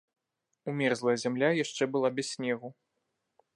Умерзлая зямля яшчэ была без снегу.